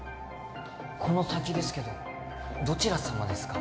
この先ですけどどちら様ですか？